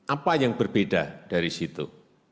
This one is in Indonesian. apa yang berbeda dari situ